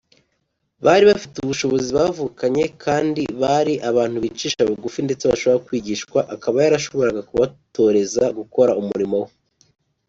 bari bafite ubushobozi bavukanye kandi bari abantu bicisha bugufi ndetse bashobora kwigishwa, akaba yarashoboraga kubatoreza gukora umurimo we